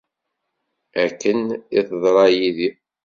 Akken i teḍra yid-i.